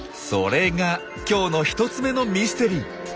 それが今日の１つ目のミステリー。